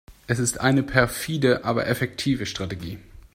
Es ist eine perfide, aber effektive Strategie.